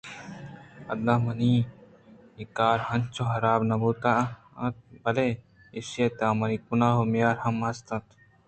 داں منی کار اِنچو حراب نہ بوتگ اِت اَنت بلئے ایشی ءِتہا منی گناہ ءُ میار ہم است اِنت